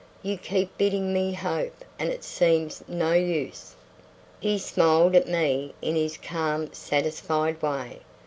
You keep bidding me hope, and it seems no use." He smiled at me in his calm satisfied way.